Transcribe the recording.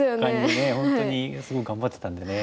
本当にすごい頑張ってたんでね